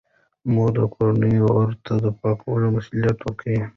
مور د کورنۍ غړو ته د پاکولو مسوولیت ورکوي.